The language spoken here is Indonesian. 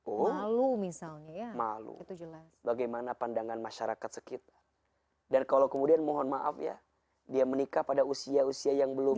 oh malu misalnya ya malu itu jelas bagaimana pandangan masyarakat sekitar dan kalau kemudian mohon maaf ya dia menikah pada usia usia yang belum